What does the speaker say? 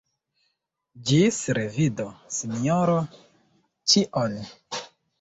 Ĝis revido, Sinjoro Ĉiol!